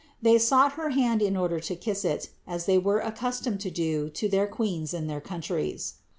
They sought her hand in order to kiss it, as they were accus tomed to do to their queens in their countries.